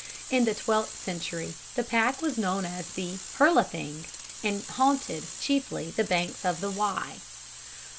In the twelfth century the pack was known as "the Herlething" and haunted, chiefly, the banks of the Wye.